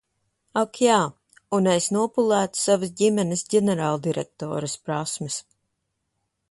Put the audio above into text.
Ak jā – un es nopulētu savas ģimenes ģenerāldirektores prasmes.